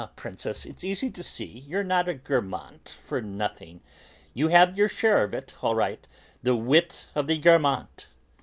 Princess, it's easy to see you're not a Guermantes for nothing. You have your share of it, all right, the 'wit of the Guermantes'!"